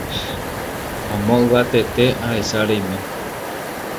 Amo yvatete ahecha reime